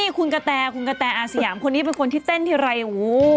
นี่คุณกะแตอาสยามคนนี้เป็นคนที่เต้นที่ไร้วู้